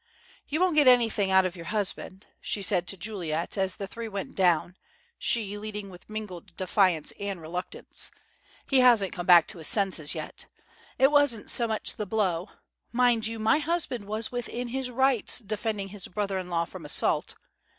"You won't get anything out of your husband," she said to Juliet as the three went down, she leading with mingled defiance and reluctance. "He hasn't come back to his senses yet. It wasn't so much the blow mind you, my husband was within his rights, defending his brother in law from assault!